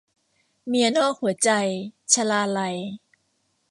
เมียนอกหัวใจ - ชลาลัย